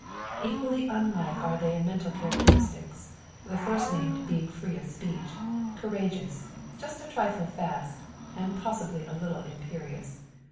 Equally unlike are they in mental characteristics; the first named being free of speech, courageous, just a trifle fast, and possibly a little imperious.